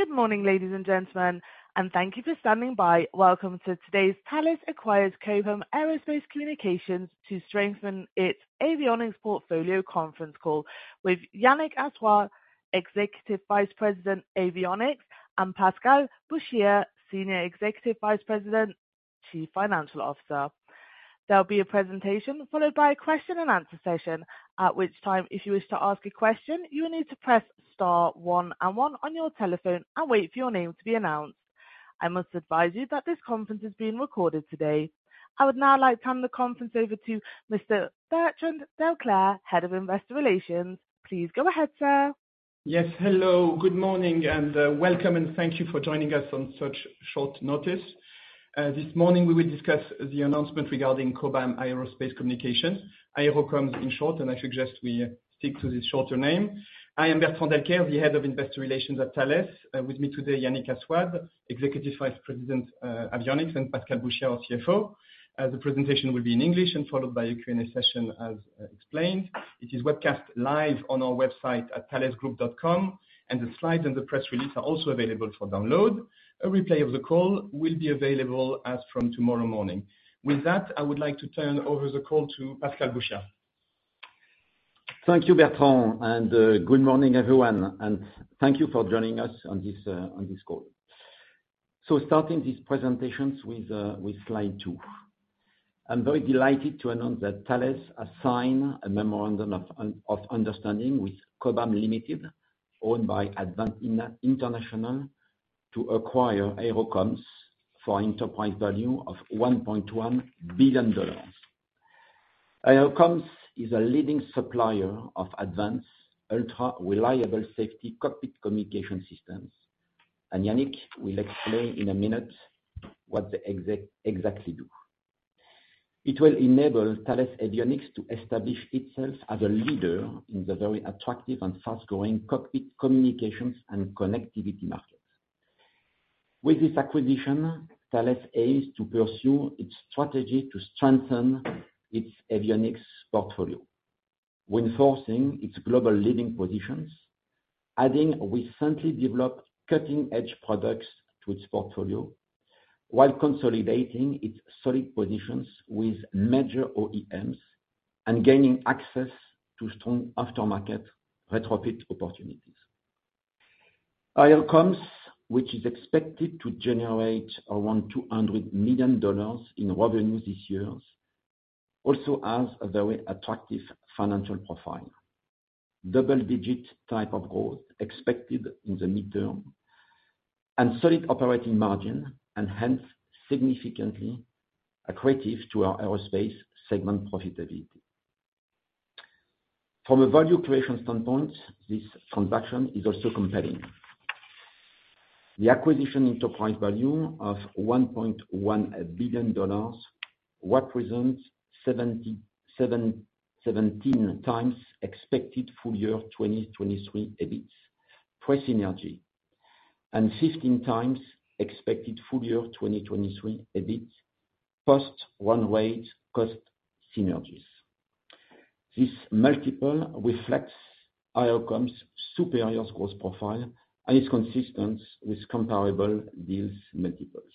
Good morning, ladies and gentlemen, thank you for standing by. Welcome to Today's Thales Acquires Cobham Aerospace Communications to Strengthen its Avionics Portfolio Conference Call with Yannick Assouad, Executive Vice President, Avionics, and Pascal Bouchiat, Senior Executive Vice President, Chief Financial Officer. There'll be a presentation followed by a question and answer session, at which time, if you wish to ask a question, you will need to press star one and one on your telephone and wait for your name to be announced. I must advise you that this conference is being recorded today. I would now like to turn the conference over to Mr. Bertrand Delcaire, Head of Investor Relations. Please go ahead, sir. Yes, hello, good morning, and welcome, and thank you for joining us on such short notice. This morning, we will discuss the announcement regarding Cobham Aerospace Communication, AeroComms in short, and I suggest we stick to this shorter name. I am Bertrand Delcaire, the Head of Investor Relations at Thales. With me today, Yannick Assouad, Executive Vice President, Avionics, and Pascal Bouchiat, our CFO. The presentation will be in English and followed by a Q&A session, as explained. It is webcast live on our website at thalesgroup.com, and the slides and the press release are also available for download. A replay of the call will be available as from tomorrow morning. With that, I would like to turn over the call to Pascal Bouchiat. Thank you, Bertrand, and good morning, everyone, and thank you for joining us on this call. Starting these presentations with slide 2. I'm very delighted to announce that Thales has signed a memorandum of understanding with Cobham Limited, owned by Advent International, to acquire AeroComms for enterprise value of $1.1 billion. AeroComms is a leading supplier of advanced, ultra-reliable, safety cockpit communication systems, and Yannick will explain in a minute what they exactly do. It will enable Thales Avionics to establish itself as a leader in the very attractive and fast-growing cockpit communications and connectivity market. With this acquisition, Thales aims to pursue its strategy to strengthen its Avionics portfolio when forcing its global leading positions, adding recently developed cutting-edge products to its portfolio, while consolidating its solid positions with major OEMs and gaining access to strong aftermarket retrofit opportunities. AeroComms, which is expected to generate around $200 million in revenue this year, also has a very attractive financial profile. Double-digit type of growth expected in the midterm, and solid operating margin, and hence, significantly accretive to our aerospace segment profitability. From a value creation standpoint, this transaction is also compelling. The acquisition enterprise value of $1.1 billion represents 17 times expected full year 2023 EBIT price synergy, and 15 times expected full year 2023 EBIT, post one-way cost synergies. This multiple reflects AeroComms' superior growth profile and is consistent with comparable deals multiples.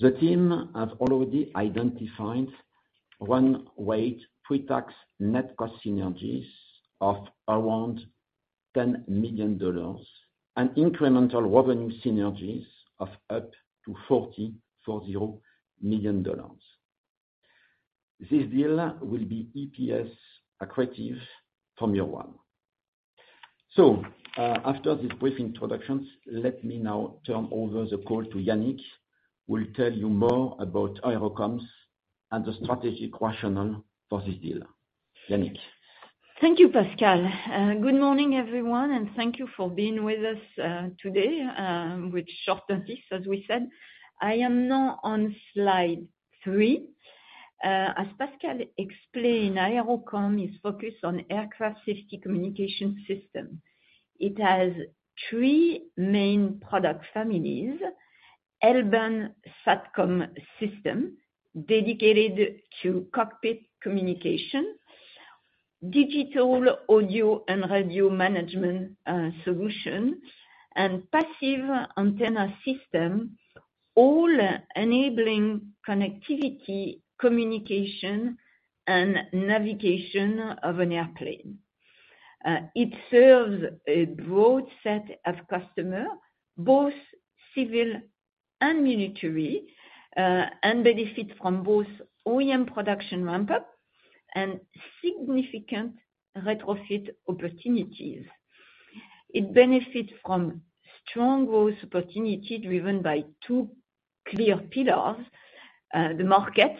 The team have already identified one weight pre-tax net cost synergies of around $10 million and incremental revenue synergies of up to $40 million. This deal will be EPS accretive from year one. After this brief introduction, let me now turn over the call to Yannick, who will tell you more about AeroComms and the strategic rationale for this deal. Yannick? Thank you, Pascal. Good morning, everyone, and thank you for being with us today, with short notice, as we said. I am now on slide three. As Pascal explained, AeroComms is focused on aircraft safety communication system. It has three main product families: L-band Satcom system, dedicated to cockpit communication, digital audio and radio management solution, and passive antenna system, all enabling connectivity, communication, and navigation of an airplane. It serves a broad set of customer, both civil and military, and benefit from both OEM production ramp-up and significant retrofit opportunities. It benefits from strong growth opportunity, driven by two clear pillars, the market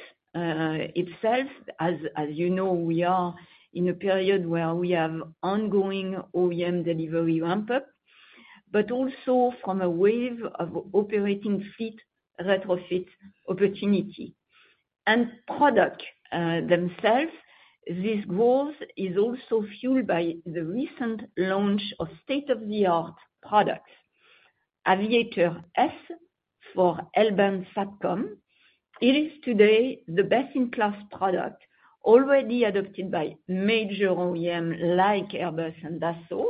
itself. As you know, we are in a period where we have ongoing OEM delivery ramp-up, but also from a wave of operating fleet retrofit opportunity. Product themselves, this growth is also fueled by the recent launch of state-of-the-art products. AVIATOR S for L-band Satcom. It is today the best-in-class product, already adopted by major OEM, like Airbus and Dassault,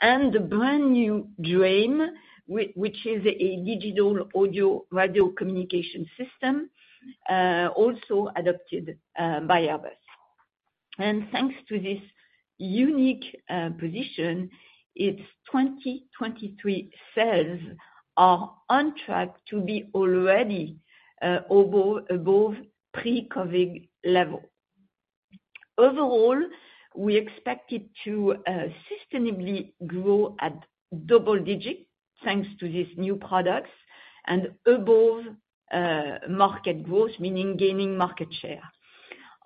and the brand new DRAIMS, which is a digital audio radio communication system, also adopted by Airbus. Thanks to this unique position, its 2023 sales are on track to be already above pre-COVID level. Overall, we expect it to sustainably grow at double-digit, thanks to these new products, and above market growth, meaning gaining market share.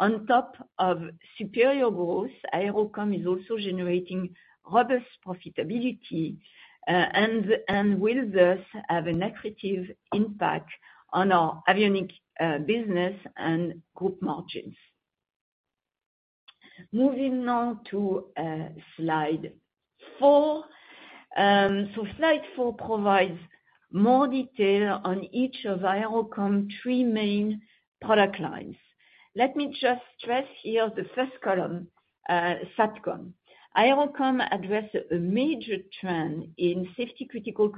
On top of superior growth, AeroComms is also generating robust profitability, and will thus have a negative impact on our Avionics business and group margins. Moving on to slide 4. Slide 4 provides more detail on each of AeroComms 3 main product lines. Let me just stress here the first column, SATCOM. AeroComms address a major trend in safety-critical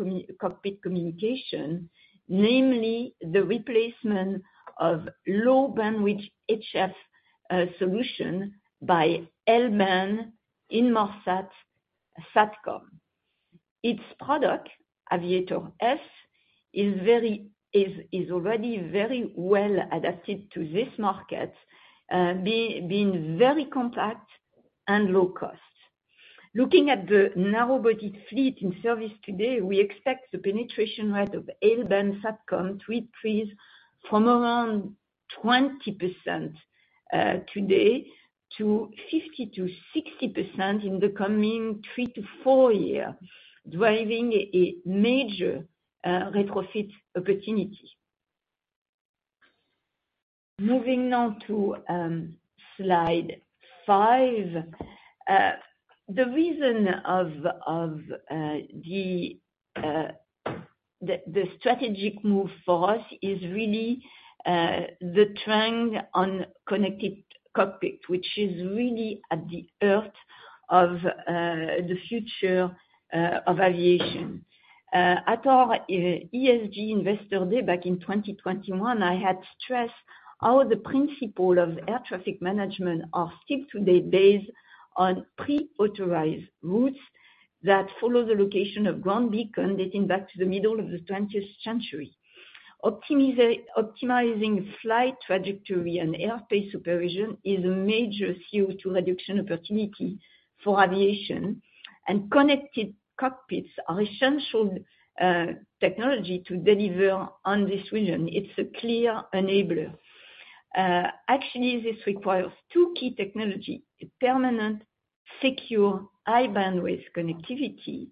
cockpit communication, namely the replacement of low bandwidth HF solution by L-band Inmarsat SATCOM. Its product, AVIATOR S, is already very well adapted to this market, being very compact and low cost. Looking at the narrow body fleet in service today, we expect the penetration rate of L-band SATCOM to increase from around 20% today, to 50%-60% in the coming 3-4 years, driving a major retrofit opportunity. Moving on to slide 5. The reason of the strategic move for us is really the trend on connected cockpit, which is really at the heart of the future of aviation. At our ESG Investor Day back in 2021, I had stressed how the principle of air traffic management are still today based on pre-authorized routes that follow the location of ground beacon, dating back to the middle of the 20th century. Optimizing flight trajectory and airspace supervision is a major CO2 reduction opportunity for aviation, and connected cockpits are essential technology to deliver on this vision. It's a clear enabler. Actually, this requires two key technology: a permanent, secure, high bandwidth connectivity,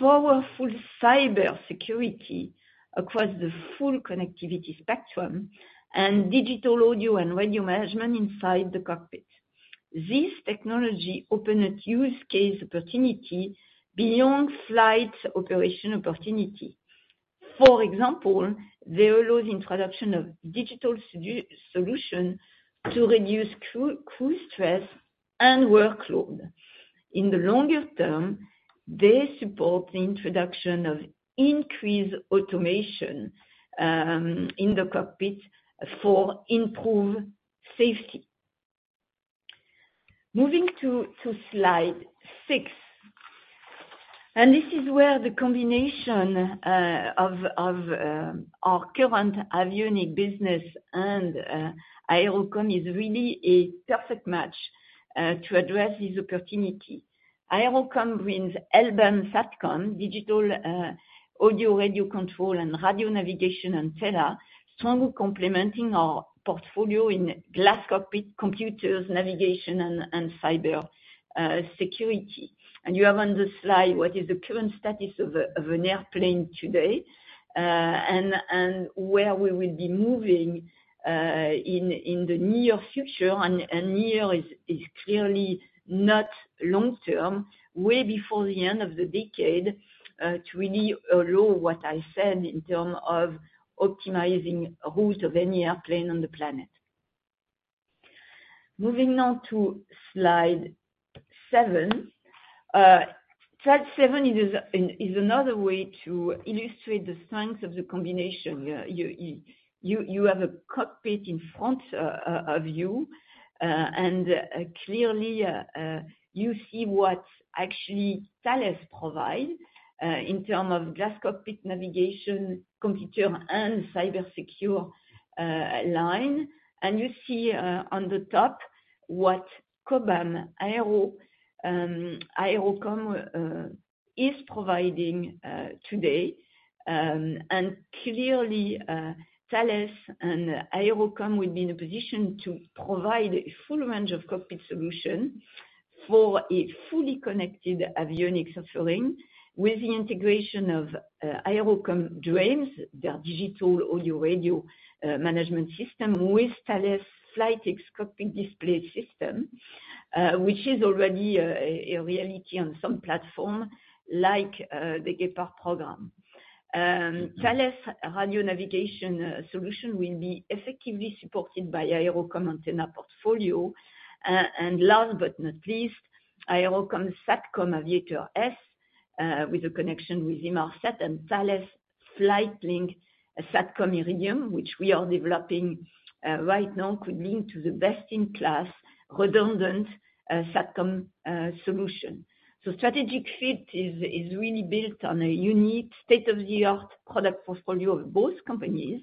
powerful cyber security across the full connectivity spectrum, and digital audio and radio management inside the cockpit. This technology open a use case opportunity beyond flight operation opportunity. For example, they allow the introduction of digital solution to reduce crew stress and workload. In the longer term, they support the introduction of increased automation in the cockpit for improved safety. Moving to slide six. This is where the combination of our current avionic business and AeroComms is really a perfect match to address this opportunity. AeroComms brings L-band Satcom, digital audio, radio control, and radio navigation and radar, strongly complementing our portfolio in glass cockpit computers, navigation, and cyber security. You have on the slide what is the current status of an airplane today and where we will be moving in the near future. Near is clearly not long term, way before the end of the decade, to really allow what I said in term of optimizing route of any airplane on the planet. Moving on to slide 7. Slide 7 is another way to illustrate the strength of the combination. You have a cockpit in front of you. Clearly, you see what actually Thales provide in term of glass cockpit navigation, computer, and cyber secure line. You see on the top, what Cobham AeroComms is providing today. Clearly, Thales and AeroComms will be in a position to provide a full range of cockpit solution for a fully connected Avionics offering, with the integration of AeroComms DRAIMS, their digital audio radio management system, with Thales' FlytX cockpit display system. Which is already a reality on some platform, like the Guépard program. Thales radio navigation solution will be effectively supported by AeroComms antenna portfolio. Last but not least, AeroComms SATCOM AVIATOR S, with a connection with Inmarsat and Thales FlytLINK SATCOM Iridium, which we are developing right now, could lead to the best-in-class redundant SATCOM solution. Strategic fit is really built on a unique state-of-the-art product portfolio of both companies.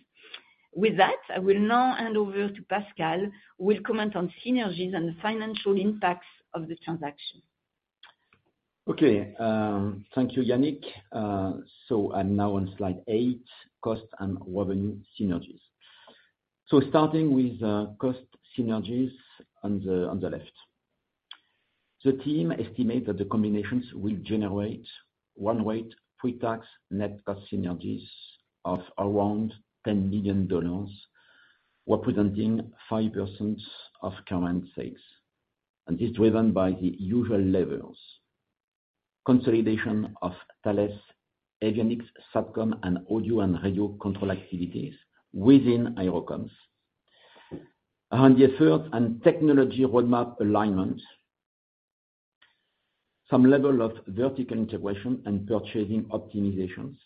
With that, I will now hand over to Pascal, who will comment on synergies and the financial impacts of the transaction. Okay. Thank you, Yannick. I'm now on slide 8, cost and revenue synergies. Starting with cost synergies on the left. The team estimate that the combinations will generate run rate pre-tax net cost synergies of around $10 million, representing 5% of current sales, and is driven by the usual levels. Consolidation of Thales Avionics, SATCOM, and Audio and Radio control activities within AeroComms. On the third and technology roadmap alignment, some level of vertical integration and purchasing optimizations,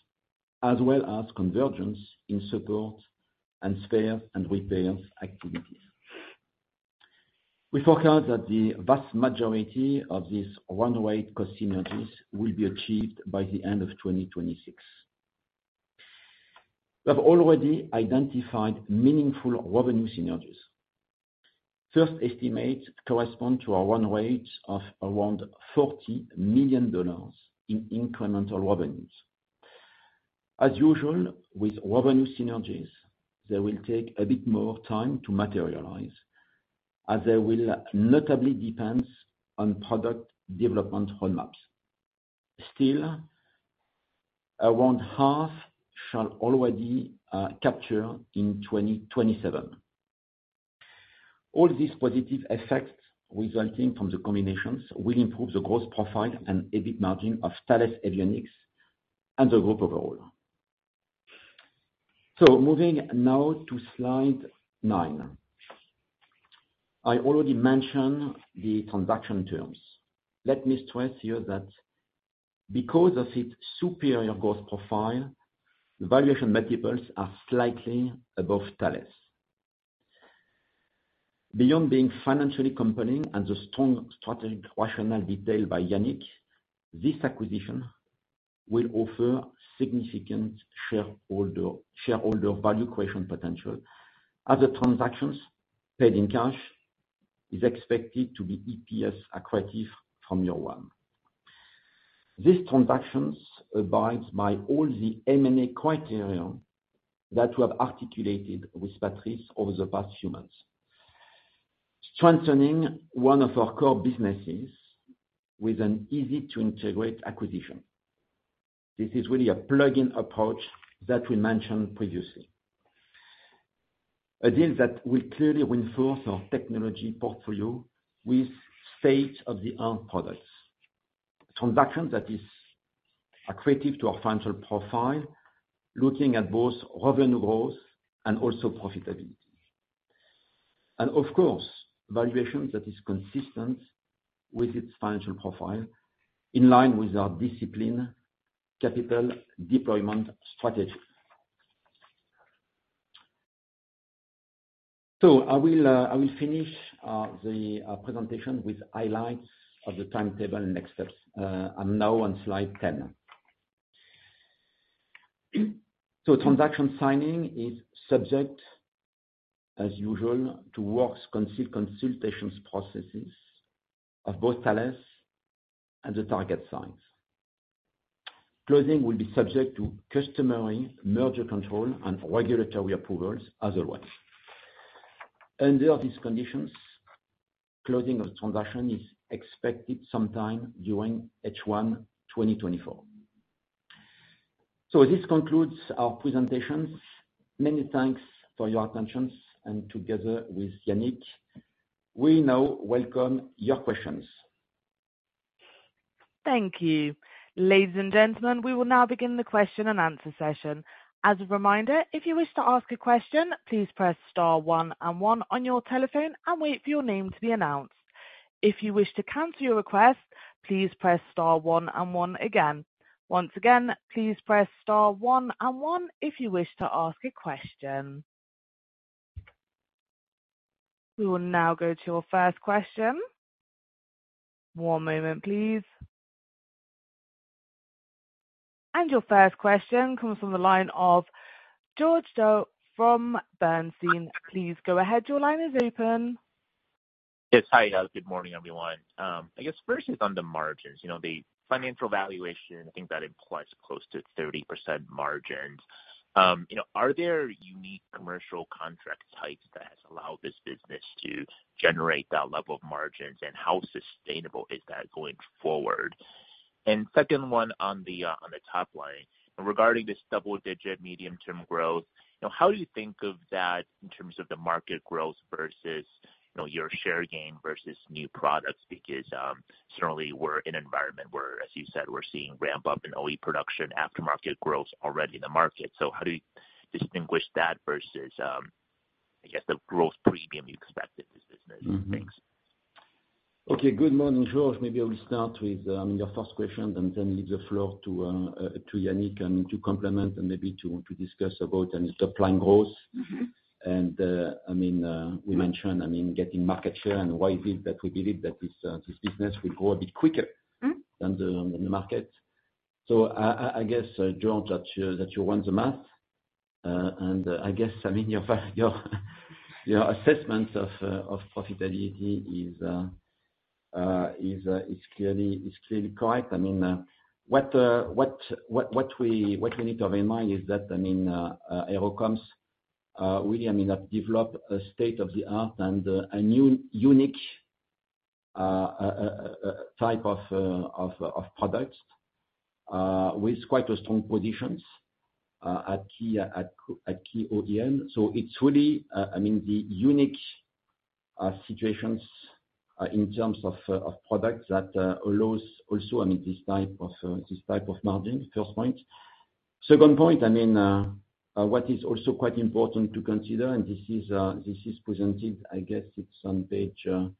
as well as convergence in support and spare and repair activities. We forecast that the vast majority of these run-rate cost synergies will be achieved by the end of 2026. We have already identified meaningful revenue synergies. First estimate correspond to a run rate of around $40 million in incremental revenues. As usual, with revenue synergies, they will take a bit more time to materialize, as they will notably depends on product development roadmaps. Still, around half shall already capture in 2027. All these positive effects resulting from the combinations will improve the growth profile and EBIT margin of Thales Avionics and the group overall. Moving now to slide 9. I already mentioned the transaction terms. Let me stress here that because of its superior growth profile, the valuation multiples are slightly above Thales. Beyond being financially compelling and the strong strategic rationale detailed by Yannick, this acquisition will offer significant shareholder value creation potential, as the transactions paid in cash is expected to be EPS accretive from year 1. These transactions abides by all the M&A criteria that we have articulated with Patrice over the past few months, strengthening one of our core businesses with an easy-to-integrate acquisition. This is really a plug-in approach that we mentioned previously. A deal that will clearly reinforce our technology portfolio with state-of-the-art products. Transaction that is accretive to our financial profile, looking at both revenue growth and also profitability. Valuation that is consistent with its financial profile, in line with our discipline, capital deployment strategy. I will finish the presentation with highlights of the timetable and next steps. I'm now on slide 10. Transaction signing is subject, as usual, to works consultations processes of both Thales and the target signs. Closing will be subject to customary merger control and regulatory approvals as always. Under these conditions, closing of transaction is expected sometime during H1 2024. This concludes our presentations. Many thanks for your attention, together with Yannick, we now welcome your questions. Thank you. Ladies and gentlemen, we will now begin the question-and-answer session. As a reminder, if you wish to ask a question, please press star one and one on your telephone and wait for your name to be announced. If you wish to cancel your request, please press star one and one again. Once again, please press star one and one if you wish to ask a question. We will now go to our first question. One moment, please. Your first question comes from the line of George Doe from Bernstein. Please go ahead. [George,] your line is open. Yes. Hi, guys. Good morning, everyone. I guess first is on the margins. You know, the financial valuation, I think, that implies close to 30% margins. You know, are there unique commercial contract types that allow this business to generate that level of margins? How sustainable is that going forward? Second one on the top line. Regarding this double-digit medium term growth, you know, how do you think of that in terms of the market growth versus, you know, your share gain versus new products? Certainly we're in an environment where, as you said, we're seeing ramp up in OE production aftermarket growth already in the market. How do you distinguish that versus, I guess, the growth premium you expect in this business? Thanks. Okay, good morning, George. Maybe I will start with your first question and then leave the floor to Yannick, and to complement and maybe to discuss about any supplying growth. Mm-hmm. I mean, we mentioned, I mean, getting market share, and why is it that we believe that this business will grow a bit quicker. Mm-hmm... than the market? I guess, George, that you run the math, and, I guess, I mean, your assessment of profitability is clearly correct. I mean, what we need to have in mind is that, I mean, AeroComms really, I mean, have developed a state-of-the-art and a new, unique, type of products, with quite strong positions, at key OEM. It's really, I mean, the unique situations, in terms of products that allows also, I mean, this type of margin, first point. Second point, I mean, what is also quite important to consider, and this is, this is presented, I guess it's on page 3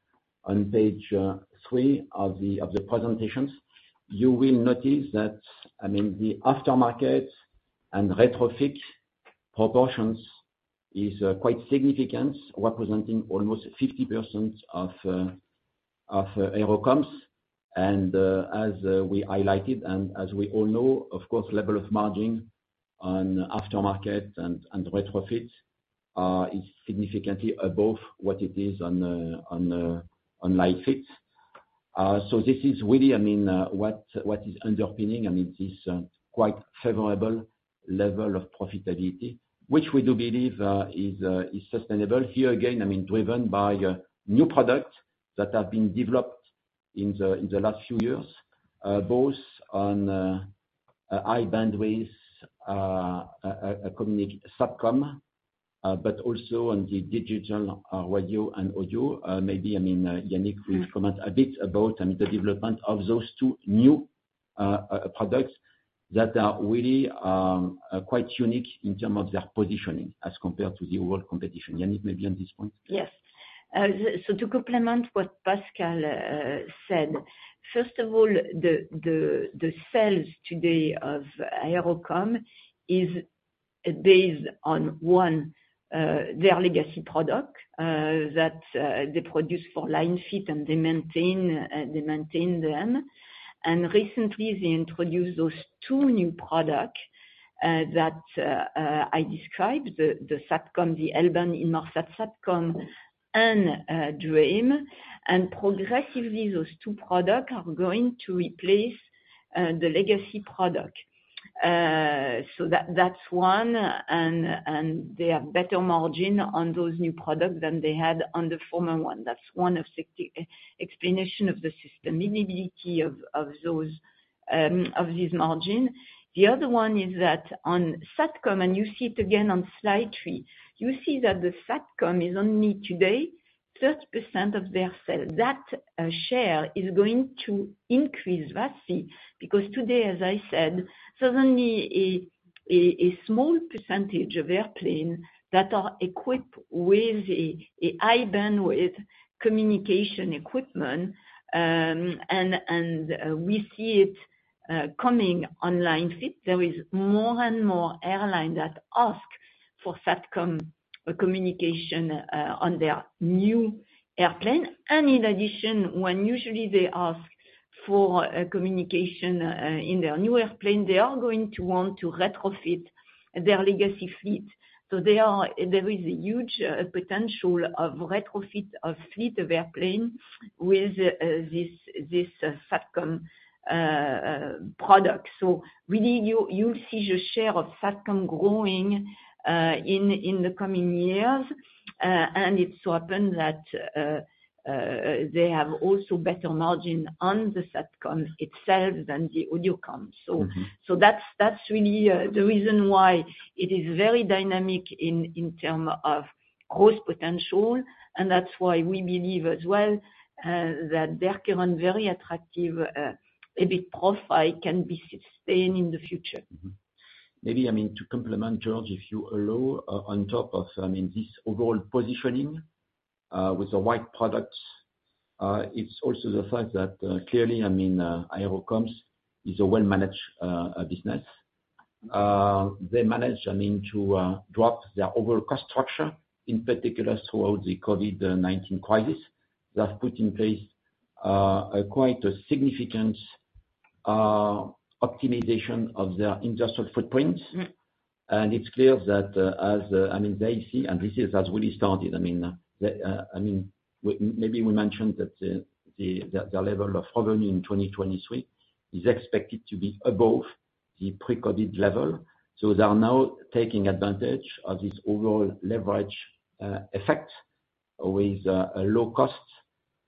of the presentations. You will notice that, I mean, the aftermarket and retrofit proportions is quite significant, representing almost 50% of AeroComms. As we highlighted, and as we all know, of course, level of margin on aftermarket and retrofit, is significantly above what it is on line fit. This is really, I mean, what is underpinning, I mean, this, quite favorable level of profitability, which we do believe, is sustainable. Here, again, I mean, driven by new products that have been developed in the last few years, both on high bandwidth SATCOM, but also on the digital radio and audio. Maybe, I mean, Yannick will comment a bit about, I mean, the development of those two new products that are really quite unique in term of their positioning as compared to the world competition. Yannick, maybe on this point? Yes. So to complement what Pascal said, first of all, the sales today of AeroComms is based on, one, their legacy product that they produce for line fit, and they maintain them. Recently, they introduced those two new product that I described, the SATCOM, the L-band Inmarsat SATCOM, and DRAIMS. Progressively, those two products are going to replace the legacy product. So that's one, and they have better margin on those new products than they had on the former one. That's one of six explanation of the sustainability of those of this margin. The other one is that on SATCOM, and you see it again on slide 3, you see that the SATCOM is only today 30% of their sales. That share is going to increase vastly, because today, as I said, certainly a small percentage of airplane that are equipped with a high bandwidth communication equipment, and we see it coming line fit. There is more and more airline that ask for SATCOM communication on their new airplane. In addition, when usually they ask for communication in their new airplane, they are going to want to retrofit their legacy fleet. There is a huge potential of retrofit of fleet of airplane with this SATCOM product. Really, you see the share of SATCOM growing in the coming years. It so happens that they have also better margin on the SATCOM itself than the AeroComms. Mm-hmm. That's really the reason why it is very dynamic in term of growth potential. That's why we believe as well that they're current very attractive EBIT profile can be sustained in the future. Maybe, I mean, to complement, George, if you allow, on top of, I mean, this overall positioning, with the wide products, it's also the fact that, clearly, I mean, AeroComms is a well-managed business. They manage, I mean, to drop their overall cost structure, in particular throughout the COVID 19 crisis. They have put in place a quite a significant optimization of their industrial footprint. Mm-hmm. It's clear that, as, I mean, they see, and this is has really started, maybe we mentioned that, the level of revenue in 2023 is expected to be above the pre-COVID level. They are now taking advantage of this overall leverage, effect.... with a low cost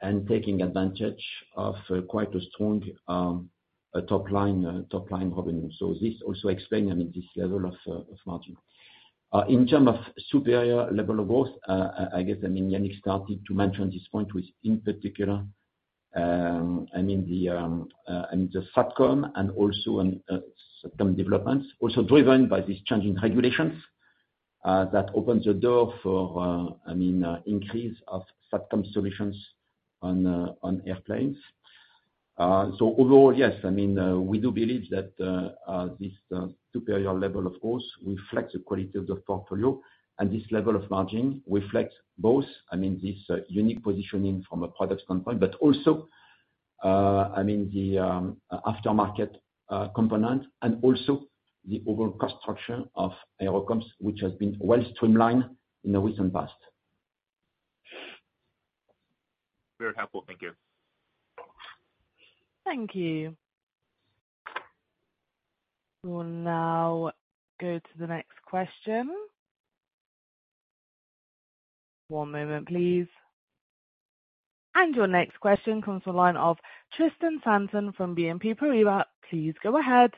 and taking advantage of quite a strong top line revenue. This also explain, I mean, this level of margin. In term of superior level of growth, I guess, I mean, Yannick started to mention this point with, in particular, I mean, the SATCOM and also on SATCOM developments, also driven by this change in regulations that opens the door for, I mean, increase of SATCOM solutions on airplanes. Overall, yes, I mean, we do believe that this superior level of growth reflects the quality of the portfolio. This level of margin reflects both, I mean, this unique positioning from a product standpoint, but also, I mean, the aftermarket component, and also the overall cost structure of AeroComms, which has been well streamlined in the recent past. Very helpful. Thank you. Thank you. We'll now go to the next question. One moment, please. Your next question comes from the line of Tristan Sanson from BNP Paribas. Please go ahead.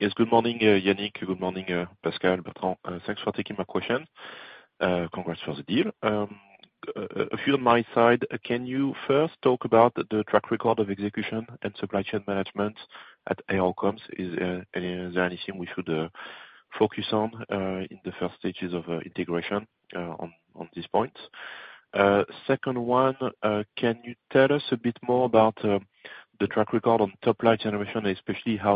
Yes, good morning, Yannick. Good morning, Pascal, Bertrand. Thanks for taking my question. Congrats for the deal. A few on my side, can you first talk about the track record of execution and supply chain management at AeroComms? Is there anything we should focus on in the first stages of integration on these points? Second one, can you tell us a bit more about the track record on top line generation, especially how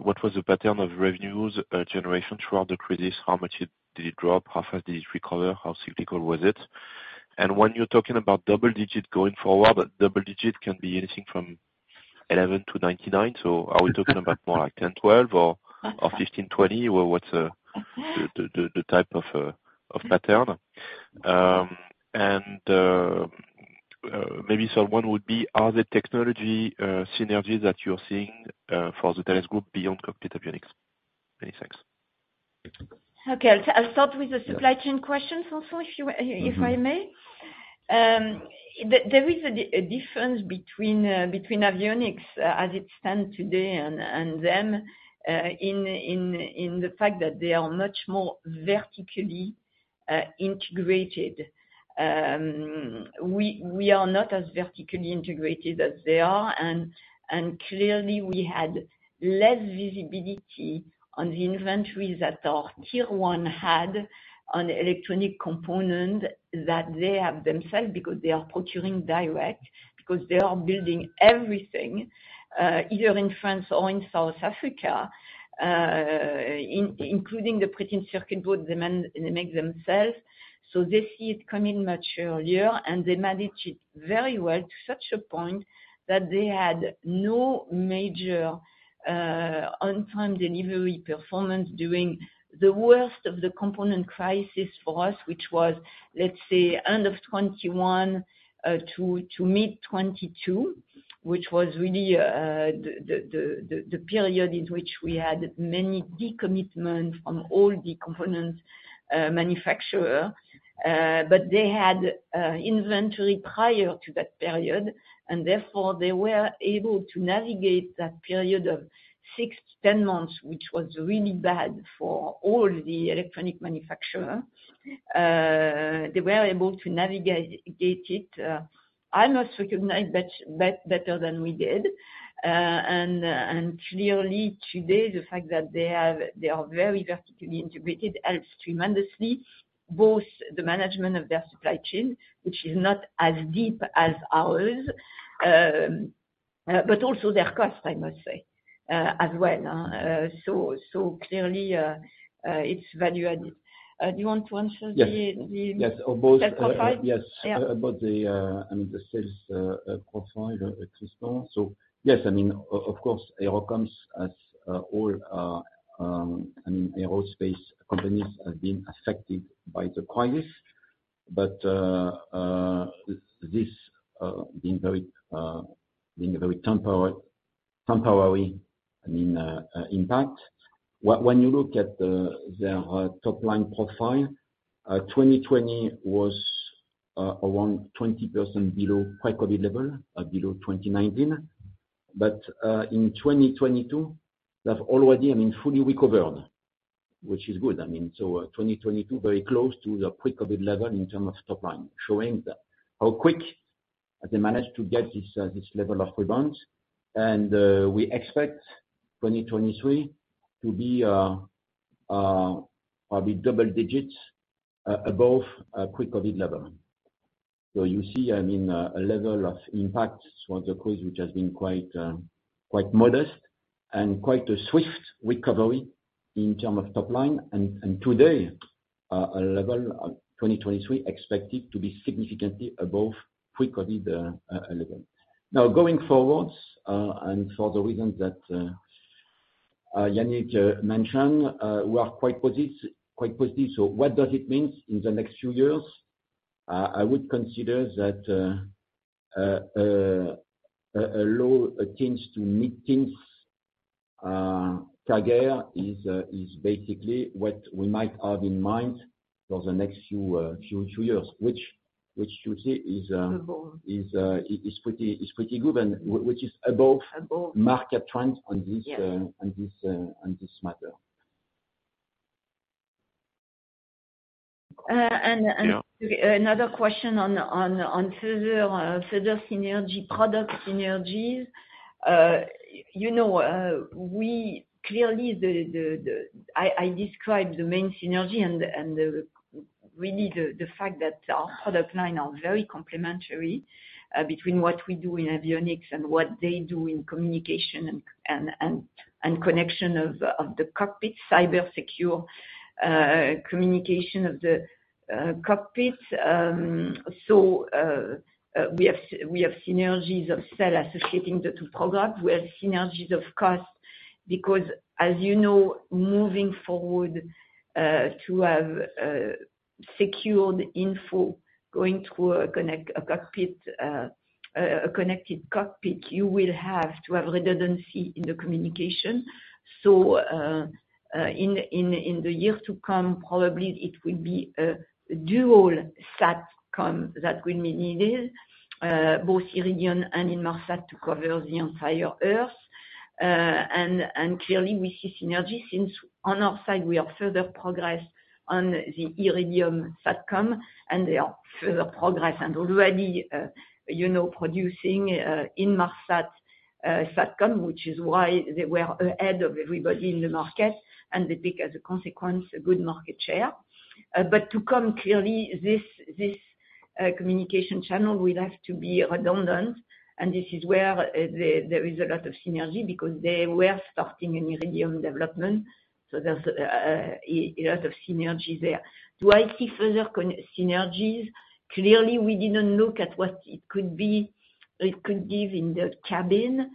what was the pattern of revenues generation throughout the crisis? How much did it drop? How fast did it recover? How cyclical was it? When you're talking about double digit going forward, double digit can be anything from 11 to 99, are we talking about more like 10, 12 or 15, 20? Or what's the type of pattern? Maybe someone would be, are there technology synergies that you're seeing for the Thales group beyond computer avionics? Many thanks. Okay. I'll start with the supply chain question also, if you, if I may. Mm-hmm. There is a difference between Avionics as it stands today and then in the fact that they are much more vertically integrated. We are not as vertically integrated as they are, and clearly, we had less visibility on the inventories that our tier one had on electronic component that they have themselves, because they are procuring direct, because they are building everything either in France or in South Africa, including the printed circuit board they make themselves. They see it coming much earlier, and they manage it very well, to such a point that they had no major on-time delivery performance during the worst of the component crisis for us, which was, let's say, end of 21 to mid-22. Which was really, the period in which we had many decommitment from all the components, manufacturer. They had inventory prior to that period, and therefore they were able to navigate that period of 6-10 months, which was really bad for all the electronic manufacturer. They were able to navigate it, I must recognize, better than we did. Clearly, today, the fact that they are very vertically integrated, helps tremendously, both the management of their supply chain, which is not as deep as ours, but also their cost, I must say, as well. Clearly, it's value added. Do you want to answer Yes? Yes, or both. Profile? Yes. Yeah. About the, I mean, the sales profile system. Yes, I mean, of course, AeroComms, as all, I mean, aerospace companies have been affected by the crisis. This being very, being very temporary, temporarily, I mean, impact. When you look at the, their top line profile, 2020 was around 20% below pre-COVID level, below 2019. In 2022, they've already, I mean, fully recovered, which is good. I mean, 2022, very close to the pre-COVID level in terms of top line, showing that how quick they managed to get this level of rebound. We expect 2023 to be probably double digits above pre-COVID level. You see, I mean, a level of impact for the crisis, which has been quite modest, and quite a swift recovery in terms of top line. Today, our level of 2023 expected to be significantly above pre-COVID level. Now, going forwards, and for the reasons that Yannick mentioned, we are quite positive. What does it mean in the next few years? I would consider that a low chance to meet things- CAGR is basically what we might have in mind for the next few years. Which you see is. Above. is pretty good, and which is above- Above. market trends on this. Yes on this, on this matter. Uh, and, and- [Yeah.] Another question on further synergy, product synergies. You know, we clearly I described the main synergy and really the fact that our product line are very complementary, between what we do in Avionics and what they do in communication and connection of the cockpit, cyber secure communication of the cockpits. We have synergies of sell associating the two products. We have synergies of cost, because as you know, moving forward, to have secured info going through a cockpit, a connected cockpit, you will have to have redundancy in the communication. In the years to come, probably it will be a dual SATCOM that will be needed, both Iridium and Inmarsat to cover the entire Earth. Clearly we see synergy since on our side, we have further progress on the Iridium SATCOM, and they are further progress. Already, you know, producing Inmarsat SATCOM, which is why they were ahead of everybody in the market, and they take, as a consequence, a good market share. To come clearly, this communication channel will have to be redundant, and this is where there is a lot of synergy, because they were starting an Iridium development, so there's a lot of synergy there. Do I see further synergies? Clearly, we didn't look at what it could give in the cabin.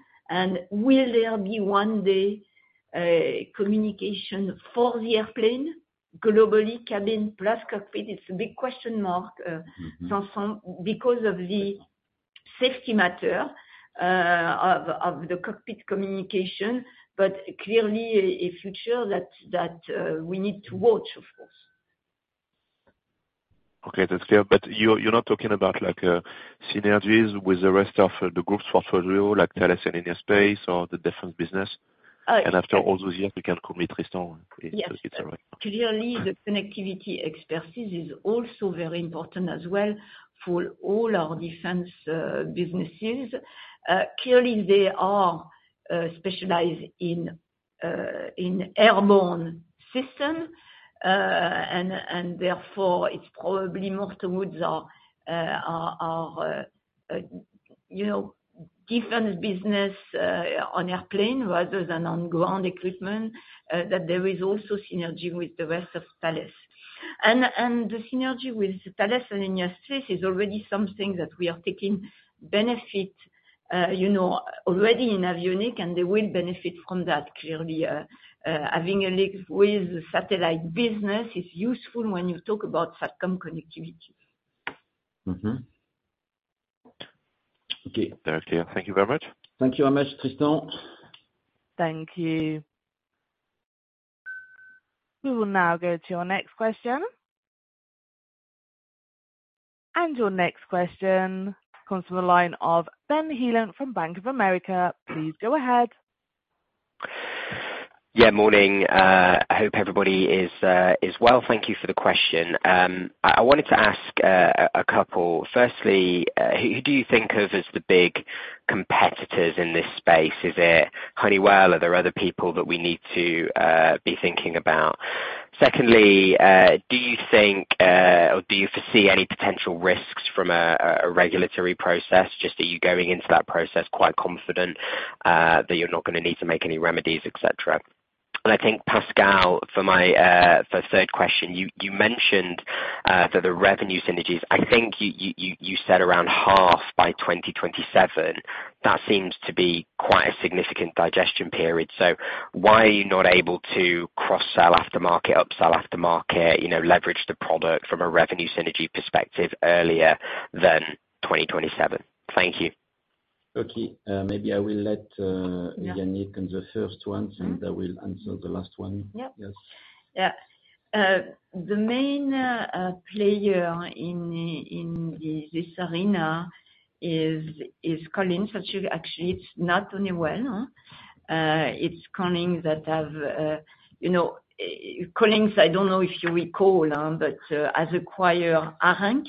Will there be one day, communication for the airplane, globally, cabin plus cockpit? It's a big question mark. Mm-hmm Sanson, because of the safety matter, of the cockpit communication, but clearly a future that we need to watch, of course. Okay, that's clear. You're not talking about, like, synergies with the rest of the group's portfolio, like Thales Alenia Space or the different business? Uh- After all those years, [you] can call me Tristan, please. Yes. It's all right. Clearly, the connectivity expertise is also very important as well for all our defense businesses. Clearly, they are specialized in airborne system. Therefore, it's probably more towards our, you know, different business on airplane rather than on ground equipment, that there is also synergy with the rest of Thales. The synergy with Thales Alenia Space is already something that we are taking benefit, you know, already in Avionics, and they will benefit from that clearly. Having a link with the satellite business is useful when you talk about SATCOM connectivity. Mm-hmm. Okay. Very clear. Thank you very much. Thank you very much, Tristan. Thank you. We will now go to our next question. Your next question comes from the line of Ben Heelan from Bank of America. Please go ahead. Yeah, morning. I hope everybody is well. Thank you for the question. I wanted to ask a couple. Firstly, who do you think of as the big competitors in this space? Is it Honeywell, or are there other people that we need to be thinking about? Secondly, do you think or do you foresee any potential risks from a regulatory process? Just are you going into that process quite confident that you're not gonna need to make any remedies, et cetera? I think, Pascal, for my third question, you mentioned that the revenue synergies, I think you said around half by 2027. That seems to be quite a significant digestion period. Why are you not able to cross-sell aftermarket, upsell aftermarket, you know, leverage the product from a revenue synergy perspective earlier than 2027? Thank you. Okay, maybe I will let. Yeah.... Yannick on the first one- [and] I will answer the last one. Yep. Yes. Yeah. The main player in this arena is Collins, actually, it's not only one, it's Collins that have, you know... Collins, I don't know if you recall, but has acquired ARINC,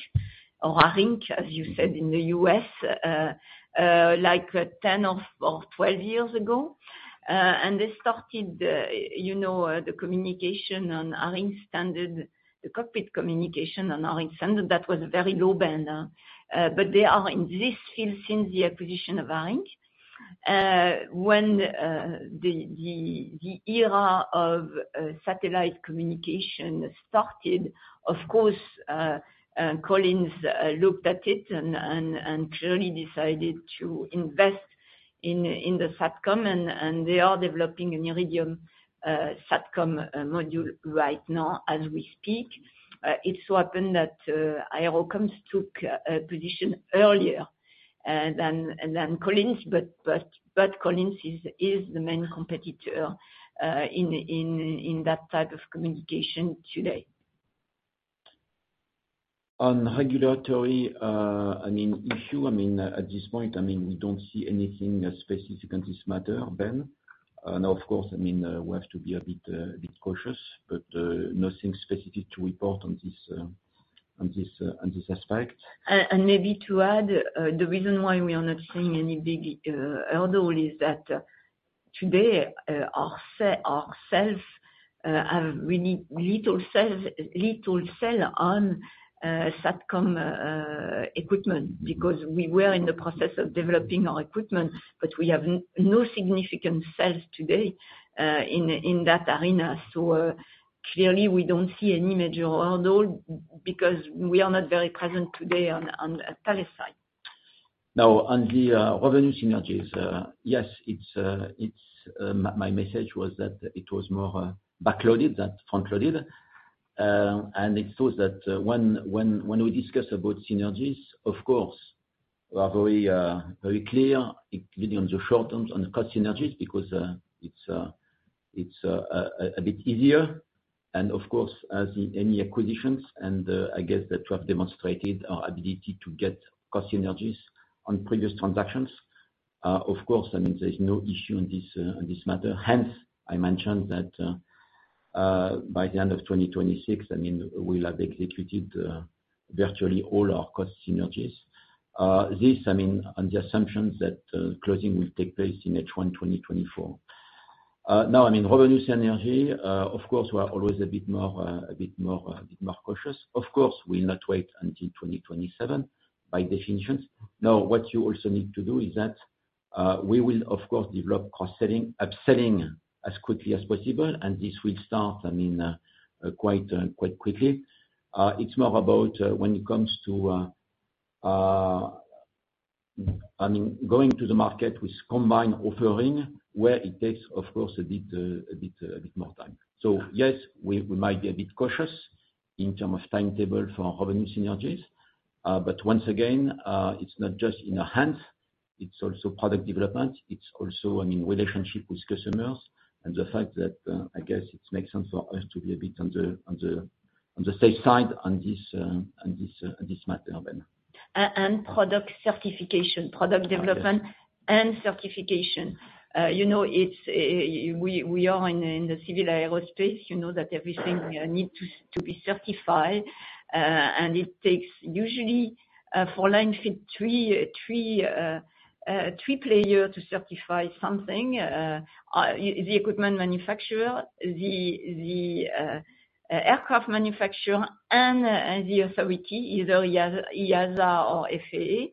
or ARINC, as you said in the U.S., like 10 or 12 years ago. They started, you know, the communication on ARINC standard, the cockpit communication on ARINC standard. That was a very low band. They are in this since the acquisition of ARINC. When the era of satellite communication started, of course, Collins looked at it and clearly decided to invest in the SATCOM, and they are developing an Iridium SATCOM module right now as we speak. It so happened that AeroCom took a position earlier than Collins, but Collins is the main competitor in that type of communication today. On regulatory, I mean, issue, I mean, at this point, I mean, we don't see anything specific on this matter, Ben. Now, of course, I mean, we have to be a bit cautious, but nothing specific to report on this, on this, on this aspect. Maybe to add, the reason why we are not seeing any big hurdle is that, today, ourselves, have really little sales, little sale on SATCOM equipment, because we were in the process of developing our equipment, but we have no significant sales today in that arena. Clearly, we don't see any major hurdle because we are not very present today on Thales side. Now, on the revenue synergies, yes, it's my message was that it was more backloaded than frontloaded. And it's so that when we discuss about synergies, of course, we are very clear, including on the short terms, on the cost synergies, because it's a bit easier. And of course, as in any acquisitions, and I guess that we have demonstrated our ability to get cost synergies on previous transactions. Of course, I mean, there's no issue on this matter. Hence, I mentioned that by the end of 2026, I mean, we'll have executed virtually all our cost synergies. This, I mean, on the assumptions that closing will take place in H1 2024. I mean, revenue synergy, of course, we are always a bit more, a bit more, bit more cautious. Of course, we'll not wait until 2027, by definition. What you also need to do is that, we will, of course, develop cross-selling, upselling as quickly as possible, and this will start, I mean, quite quickly. It's more about, when it comes to, I mean, going to the market with combined offering, where it takes, of course, a bit, a bit, a bit more time. Yes, we might be a bit cautious in term of timetable for our revenue synergies. Once again, it's not just in our hands, it's also product development. It's also, I mean, relationship with customers, and the fact that, I guess, it makes sense for us to be a bit on the safe side on this matter, Ben. Product certification, product development. Okay. and certification. You know, it's, we are in the civil aerospace, you know that everything need to be certified. It takes usually, for line fit, 3 player to certify something. The equipment manufacturer, the aircraft manufacturer and the authority, either EASA or FAA.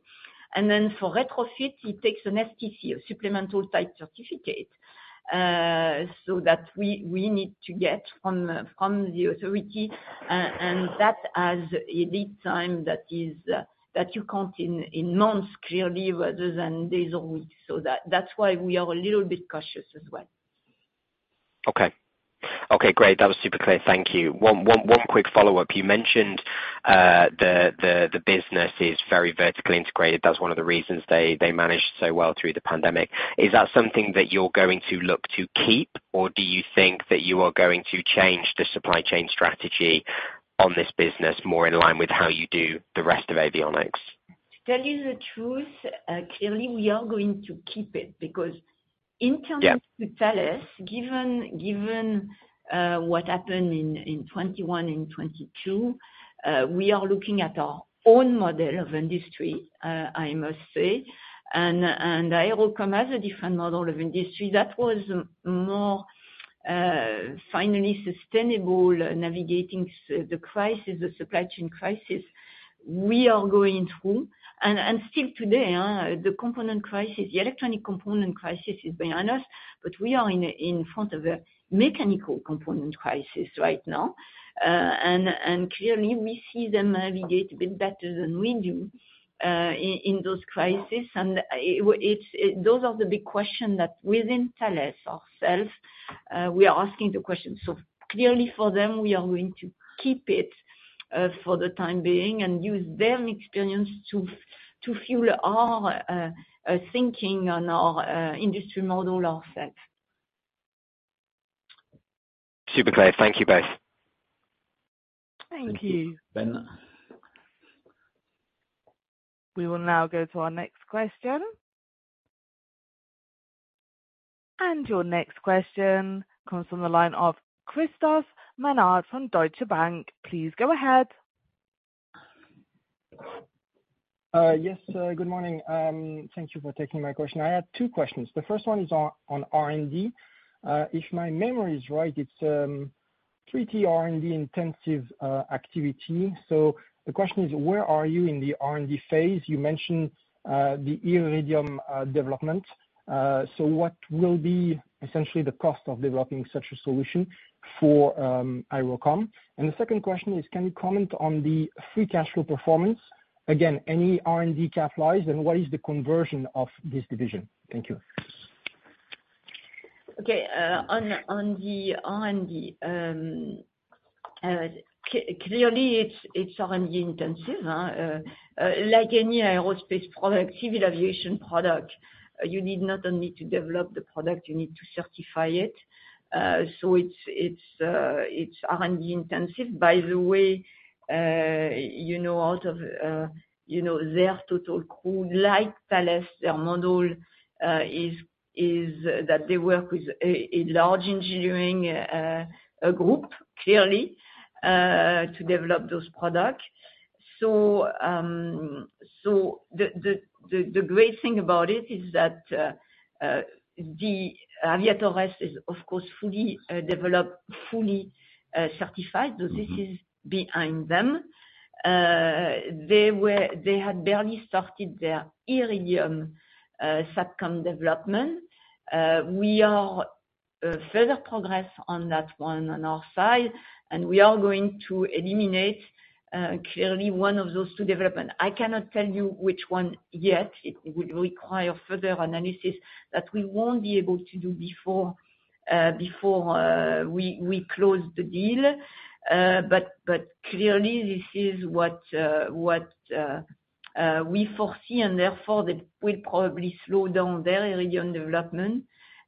Then for retrofit, it takes an STC, a Supplemental Type Certificate, so that we need to get from the authority. That has a lead time that is, that you count in months, clearly, rather than days or weeks. That, that's why we are a little bit cautious as well. Okay. Okay, great. That was super clear. Thank you. One quick follow-up. You mentioned the business is very vertically integrated. That's one of the reasons they managed so well through the pandemic. Is that something that you're going to look to keep, or do you think that you are going to change the supply chain strategy on this business more in line with how you do the rest of avionics? To tell you the truth, clearly, we are going to keep it, because. Yeah... with Thales, given what happened in 2021 and 2022, we are looking at our own model of industry, I must say. AeroComms has a different model of industry that was more, finally sustainable, navigating the crisis, the supply chain crisis we are going through. Still today, the component crisis, the electronic component crisis is behind us, but we are in front of a mechanical component crisis right now. Clearly, we see them navigate a bit better than we do, in those crisis. It's, those are the big questions that within Thales, ourselves, we are asking the questions. Clearly for them, we are going to keep it for the time being and use their experience to fuel our thinking on our industry model ourselves. Super clear. Thank you both. Thank you. Thank you, Ben. We will now go to our next question. Your next question comes from the line of Christophe Menard from Deutsche Bank. Please go ahead. Yes, good morning. Thank you for taking my question. I had two questions. The first one is on R&D. If my memory is right, it's pretty R&D-intensive activity. The question is: Where are you in the R&D phase? You mentioned the iIridium development. What will be essentially the cost of developing such a solution for AeroCom? The second question is: Can you comment on the free cash flow performance? Again, any R&D capitalize, and what is the conversion of this division? Thank you. Okay, on the R&D, clearly, it's R&D-intensive, like any aerospace product, civil aviation product, you need not only to develop the product, you need to certify it. It's R&D intensive. By the way, you know, out of, you know, their total crew, like Thales, their model is that they work with a large engineering group, clearly, to develop those products. The great thing about it is that the AVIATOR S is, of course, fully developed, fully certified, so this is behind them. They had barely started their Iridium SATCOM development. We are further progress on that one on our side, and we are going to eliminate, clearly one of those two development. I cannot tell you which one yet. It would require further analysis that we won't be able to do before we close the deal. Clearly, this is what we foresee, and therefore that will probably slow down their Iridium development,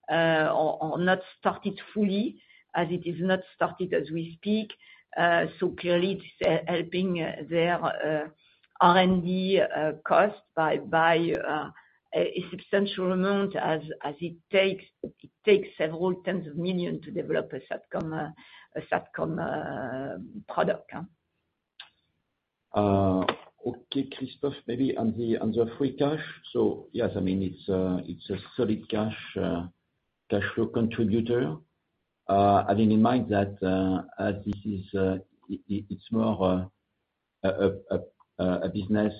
or not start it fully, as it is not started as we speak. Clearly it's helping their R&D cost by a substantial amount as it takes EUR several tens of million to develop a SATCOM product, huh? Okay, Christophe, maybe on the free cash? Yes, I mean, it's a solid cash flow contributor. Having in mind that as this is it's more a business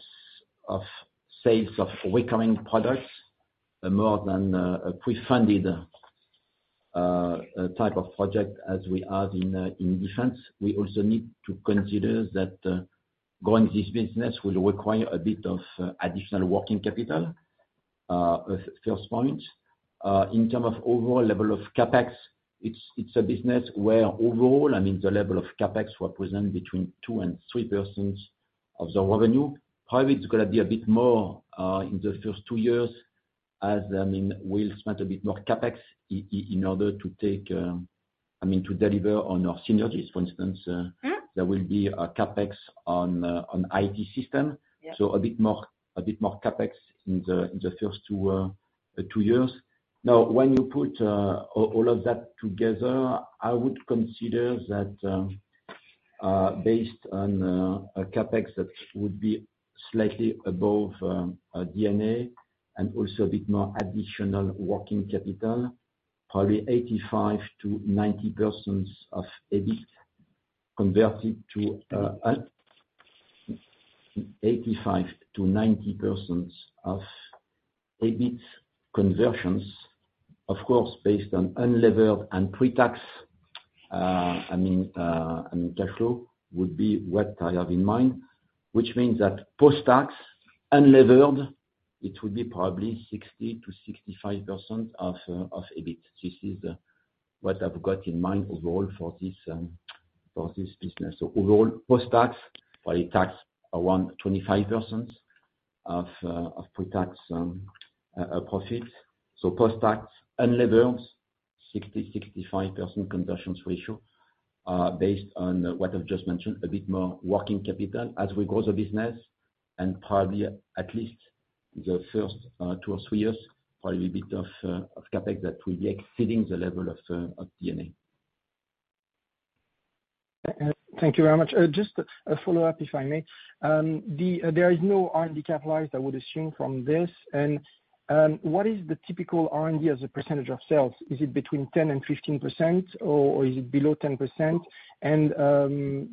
of sales of recurring products, more than a pre-funded type of project as we have in defense. We also need to consider that growing this business will require a bit of additional working capital, first point. In term of overall level of CapEx, it's a business where overall, I mean, the level of CapEx represent between 2% and 3% of the revenue. Probably it's gonna be a bit more, in the first two years, as, I mean, we'll spend a bit more CapEx I mean, to deliver on our synergies. For instance. Mm-hmm. there will be a CapEx on IT system. Yeah. A bit more CapEx in the first 2 years. When you put all of that together, I would consider that, based on a CapEx, that would be slightly above a D&A, and also a bit more additional working capital, probably 85%-90% of EBIT converted to 85%-90% of EBIT conversions. Of course, based on unlevered and pre-tax, I mean, cash flow would be what I have in mind. Which means that post-tax, unlevered, it would be probably 60%-65% of EBIT. This is what I've got in mind overall for this business. Overall, post-tax, probably tax around 25% of pre-tax profit. Post-tax and levels 60%-65% conversions ratio, based on what I've just mentioned, a bit more working capital as we grow the business, and probably at least the first, two or three years, probably a bit of CapEx that will be exceeding the level of D&A. Thank you very much. Just a follow-up, if I may. There is no R&D capitalized, I would assume, from this. What is the typical R&D as a percentage of sales? Is it between 10% and 15%, or is it below 10%?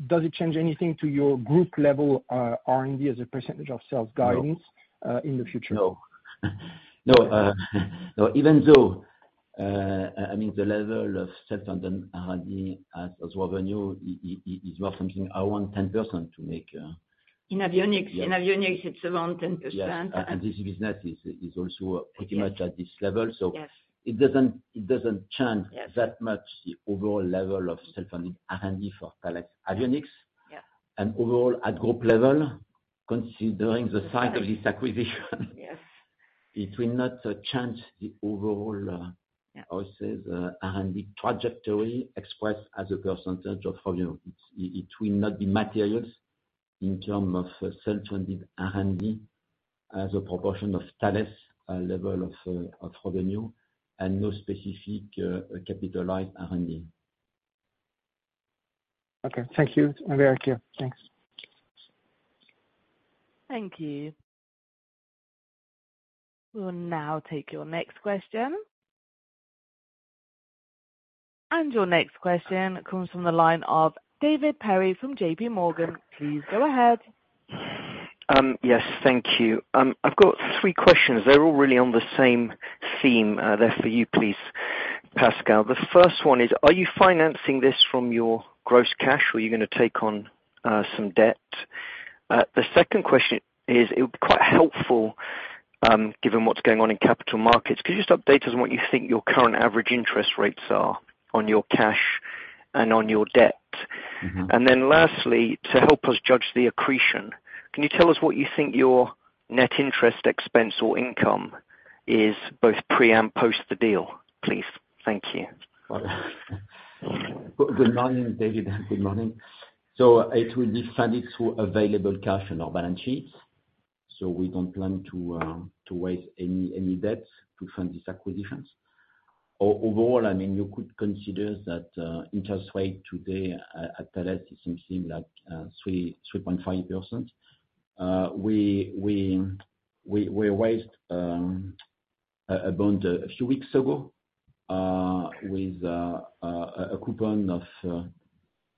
Does it change anything to your group level R&D as a percentage of sales guidance? No. in the future? No. No, no, even though, I mean, the level of self-funding R&D as revenue is not something I want 10% to make. In avionics. Yeah. In avionics, it's around 10%. Yeah, this business is also. Yes... at this level. Yes. It doesn't. Yes... that much, the overall level of self-funding R&D for Thales Avionics. Yeah. Overall, at group level, considering the size of this acquisition, Yes. It will not change the overall. Yeah... how you say? R&D trajectory, expressed as a % of revenue. It will not be materials in term of self-funded R&D as a proportion of Thales, level of revenue, and no specific, capitalized R&D. Okay. Thank you, I'm very clear. Thanks. Thank you. We'll now take your next question. Your next question comes from the line of David Perry from JPMorgan. Please, go ahead. Yes, thank you. I've got three questions. They're all really on the same theme, they're for you, please, Pascal Bouchiat. The first one is, are you financing this from your gross cash, or are you gonna take on some debt? The second question is, it would be quite helpful, given what's going on in capital markets, could you just update us on what you think your current average interest rates are on your cash and on your debt? Lastly, to help us judge the accretion, can you tell us what you think your net interest expense or income is, both pre and post the deal, please? Thank you. Good morning, David. Good morning. It will be funded through available cash on our balance sheets, so we don't plan to raise any debts to fund these acquisitions. Overall, I mean, you could consider that interest rate today at Thales, it seems like 3.5%. We raised about a few weeks ago with a coupon of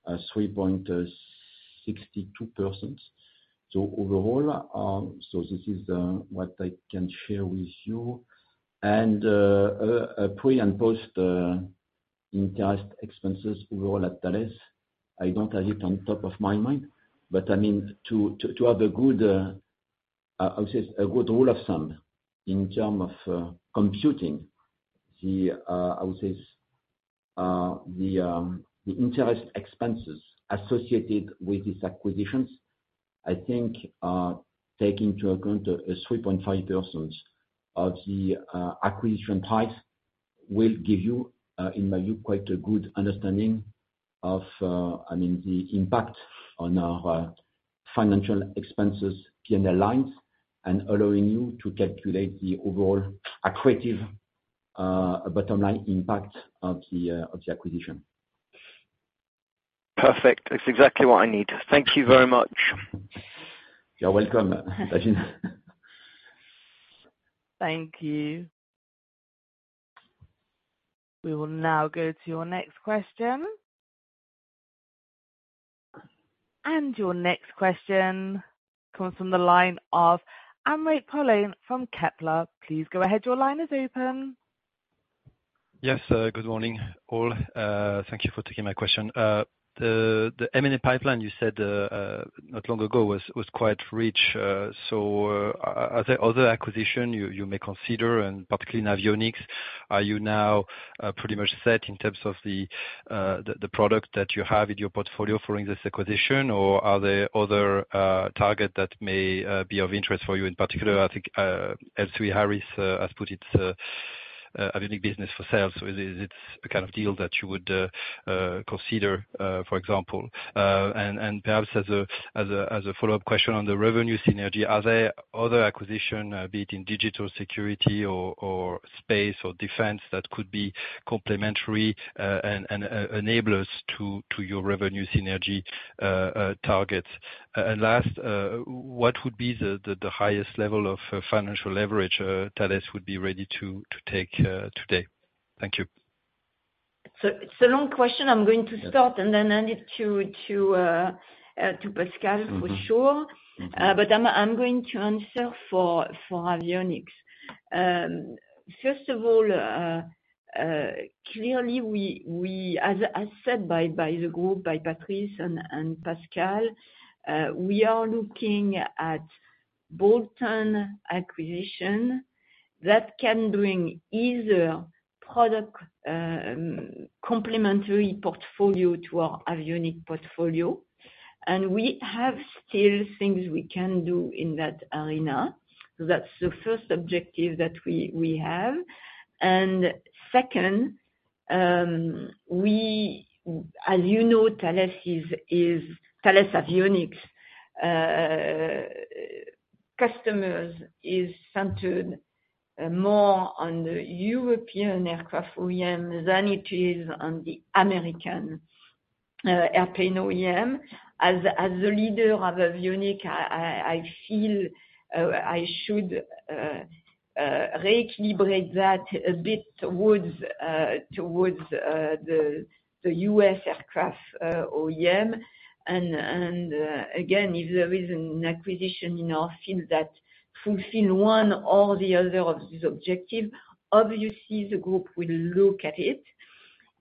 3.62%. Overall, this is what I can share with you. Pre and post interest expenses overall at Thales, I don't have it on top of my mind, but I mean, to have a good, I would say a good rule of thumb in term of computing, the I would say, the interest expenses associated with these acquisitions. I think, taking into account a 3.5% of the acquisition price, will give you, in my view, quite a good understanding of, I mean, the impact on our financial expenses PNL lines, and allowing you to calculate the overall accretive bottom line impact of the acquisition. Perfect. That's exactly what I need. Thank you very much. You're welcome, David. Thank you. We will now go to your next question. Your next question comes from the line of Amrit Paulen from Kepler. Please go ahead, your line is open. Yes, good morning, all. Thank you for taking my question. The M&A pipeline, you said, not long ago was quite rich, are there other acquisition you may consider, and particularly Avionics, are you now pretty much set in terms of the product that you have in your portfolio following this acquisition? Or are there other target that may be of interest for you? In particular, I think, L3Harris has put its Avionics business for sale. Is this a kind of deal that you would consider, for example? Perhaps as a follow-up question on the revenue synergy, are there other acquisition, be it in digital security or space or defense, that could be complementary and enablers to your revenue synergy targets? Last, what would be the highest level of financial leverage Thales would be ready to take today? Thank you. It's a long question, I'm going to start, and then I need to Pascal, for sure. Mm-hmm, mm-hmm. I'm going to answer for Avionics. First of all, clearly, we as said by the group, by Patrice and Pascal, we are looking at bold turn acquisition that can bring either product, complementary portfolio to our Avionics portfolio. We have still things we can do in that arena. That's the first objective that we have. Second, as you know, Thales is Thales Avionics, customers is centered more on the European aircraft OEM than it is on the American airplane OEM. As the leader of Avionics, I feel I should re-calibrate that a bit towards the U.S. aircraft OEM. Again, if there is an acquisition in our field that fulfill one or the other of this objective, obviously, the group will look at it.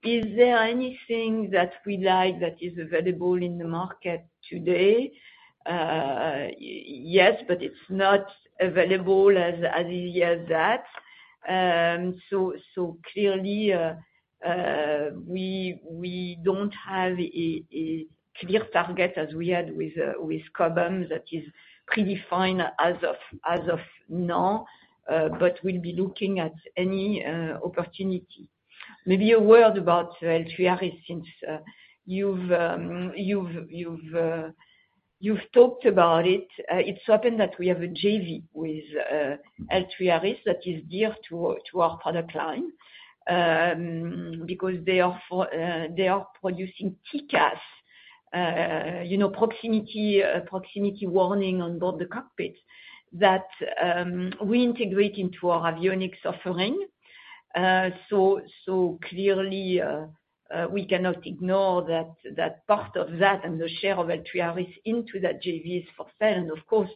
Is there anything that we like that is available in the market today? Yes, but it's not available as easy as that. Clearly, we don't have a clear target as we had with Cobham that is predefined as of now, but we'll be looking at any opportunity. Maybe a word about L3Harris, since you've talked about it. It so happen that we have a JV with L3Harris, that is dear to our product line, because they are producing TCAS, you know, proximity warning on board the cockpit, that we integrate into our Avionics offering. Clearly, we cannot ignore that part of that, and the share of L3Harris into that JV is for sale. Of course,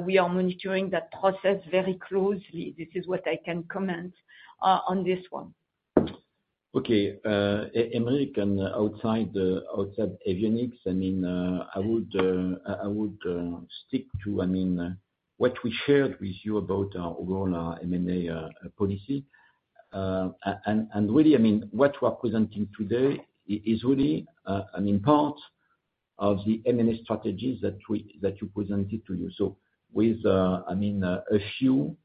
we are monitoring that process very closely. This is what I can comment on this one. Okay. Amrit. Outside Avionics, I mean, I would stick to, I mean, what we shared with you about our overall M&A policy. Really, I mean, what we're presenting today is really, I mean, part of the M&A strategies that we presented to you. With, I mean, a few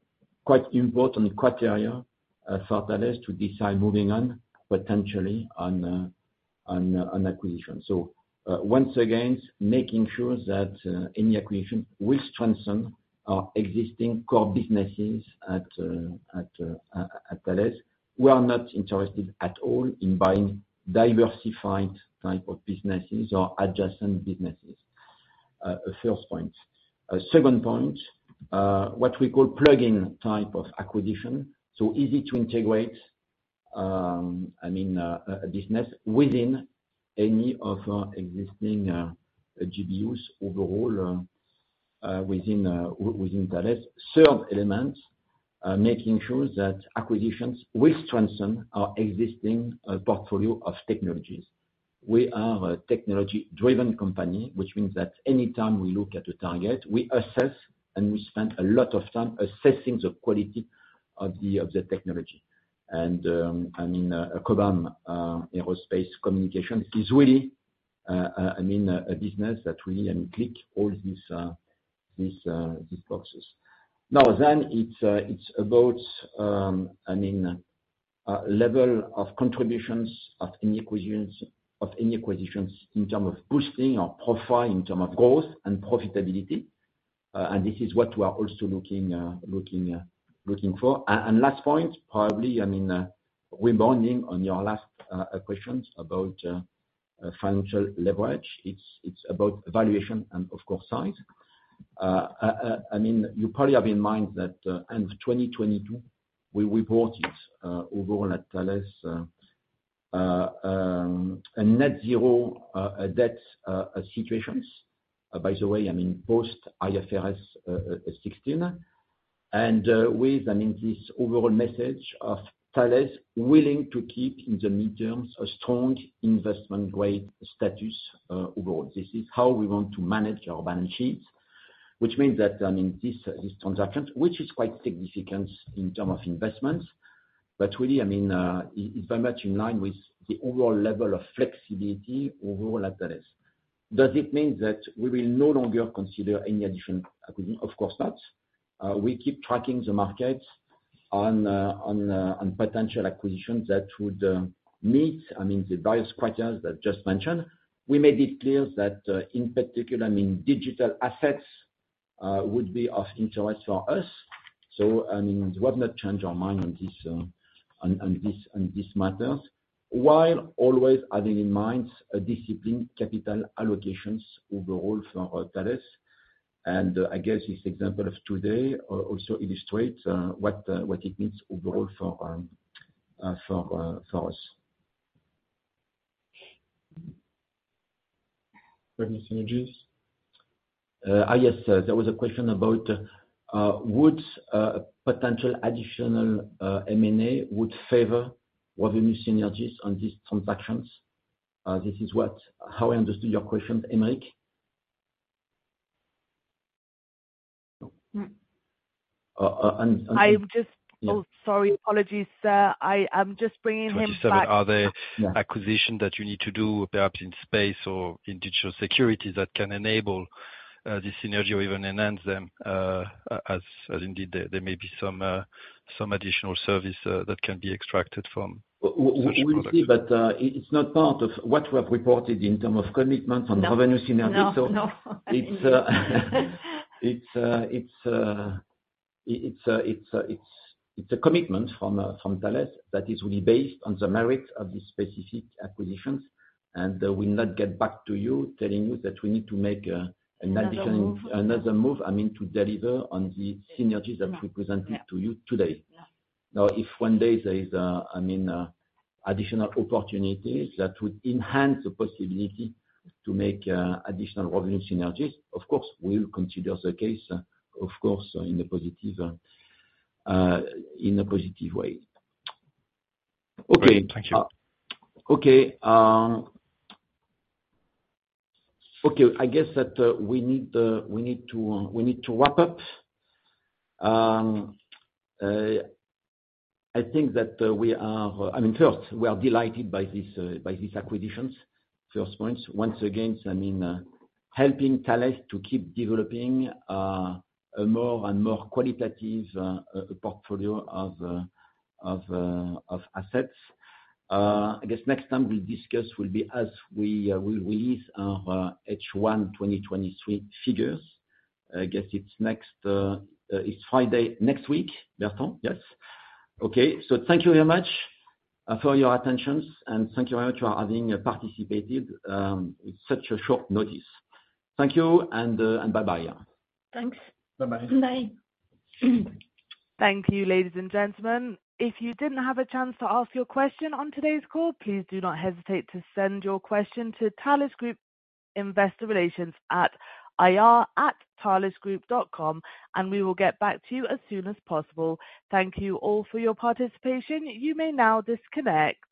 quite important criteria for Thales to decide moving on, potentially on acquisition. Once again, making sure that any acquisition will strengthen our existing core businesses at Thales. We are not interested at all in buying diversified type of businesses or adjacent businesses, the first point. Second point, what we call plug-in type of acquisition, so easy to integrate. I mean, a business within any of our existing GBUs overall, within Thales. Third element, making sure that acquisitions will strengthen our existing portfolio of technologies. We are a technology-driven company, which means that anytime we look at the target, we assess, and we spend a lot of time assessing the quality of the technology. I mean, Cobham Aerospace Communication is really, I mean, a business that we, and click all these boxes. Now, it's about, I mean, level of contributions of any acquisitions in terms of boosting our profile, in term of growth and profitability. This is what we are also looking for. Last point, probably, I mean, rebounding on your last questions about financial leverage. It's about valuation and of course, size. I mean, you probably have in mind that, end of 2022, we reported overall at Thales a net zero debt situations. By the way, I mean, post IFRS 16, and with, I mean, this overall message of Thales willing to keep in the medium terms, a strong investment grade status overall. This is how we want to manage our balance sheets, which means that, I mean, this transaction, which is quite significant in term of investments, but really, I mean, it's very much in line with the overall level of flexibility overall at Thales. Does it mean that we will no longer consider any additional acquisition? Of course not. We keep tracking the markets on potential acquisitions that would meet, I mean, the various criteria that just mentioned. We made it clear that, in particular, I mean, digital assets would be of interest for us. I mean, we have not changed our mind on this matters, while always having in mind a disciplined capital allocations overall for Thales. I guess this example of today also illustrates what it means overall for us. Revenue synergies? Yes, sir. There was a question about, would, potential additional M&A would favor revenue synergies on these transactions? This is how I understood your question, Amrit. Oh, sorry, apologies, sir. I am just bringing him back. Are there acquisition that you need to do, perhaps in space or in digital securities, that can enable the synergy or even enhance them, as indeed, there may be some additional service that can be extracted from? We will see, but it's not part of what we have reported in terms of commitment on revenue synergy. No, no. It's a commitment from Thales that is really based on the merits of these specific acquisitions. We not get back to you, telling you that we need to make an additional. Another move. Another move, I mean, to deliver on the synergies that we presented to you today. Yeah. Now, if one day there is a, I mean, additional opportunities that would enhance the possibility to make additional revenue synergies, of course, we'll consider the case, of course, in a positive in a positive way. Okay. Thank you. Okay, okay, I guess that we need to, we need to wrap up. I think that, I mean, first, we are delighted by this, by these acquisitions. First point, once again, I mean, helping Thales to keep developing a more and more qualitative portfolio of assets. I guess next time we discuss will be as we release our H1 2023 figures. I guess it's next, it's Friday next week, Bertrand? Yes. Okay. Thank you very much for your attention, and thank you very much for having participated, it's such a short notice. Thank you, and bye-bye, yeah. Thanks. Bye-bye. Bye. Thank you, ladies and gentlemen. If you didn't have a chance to ask your question on today's call, please do not hesitate to send your question to Thales Group Investor Relations at ir@thalesgroup.com, and we will get back to you as soon as possible. Thank you all for your participation. You may now disconnect.